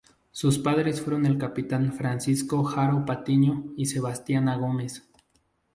Sus padres fueron el capitán Francisco Haro Patiño y Sebastiana Gómez.